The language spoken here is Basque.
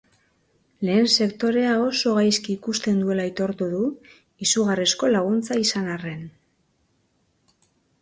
Lehen sektorea oso gaizki ikusten duela aitortu du, izugarrizko laguntza izan arren.